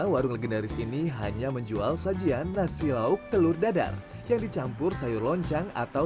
warung legendaris ini hanya menjual sajian nasi lauk telur dadar yang dicampur sayur loncang atau